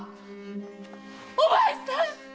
お前さん！